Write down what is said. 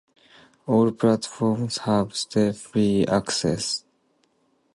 All platforms have step-free access.